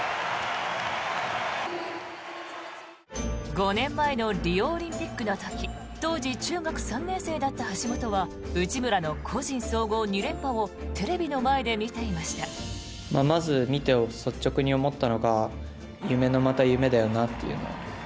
５年前のリオオリンピックの時当時中学３年生だった橋本は内村の個人総合２連覇をテレビの前で見ていました。